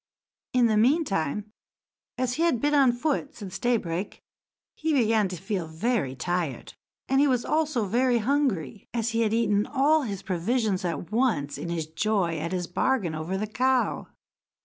In the mean time, as he had been on foot since daybreak, he began to feel very tired, and he was also very hungry, as he had eaten all his provisions at once, in his joy at his bargain over the cow.